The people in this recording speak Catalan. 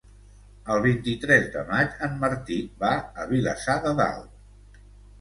El vint-i-tres de maig en Martí va a Vilassar de Dalt.